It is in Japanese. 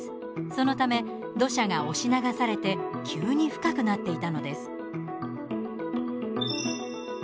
そのため土砂が押し流されて急に深くなっていたのです。